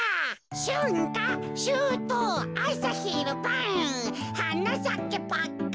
「しゅんかしゅうとうあさひるばん」「はなさけパッカン」